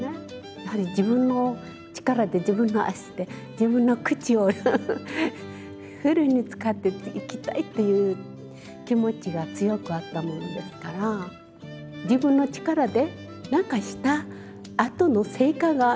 やはり自分の力で自分の足で自分の口をフルに使って生きたいっていう気持ちが強くあったものですから自分の力で何かしたあとの成果が見れるっていうことはすばらしいです。